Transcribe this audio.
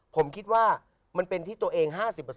ผมคิดว่ามันเป็นที่ตัวเอง๕๐